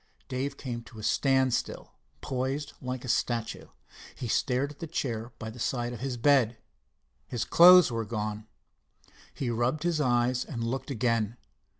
Dave came to a standstill, posed like a statue. He stared at the chair by the side of the bed. His clothes were gone! He rubbed his eyes and looked again.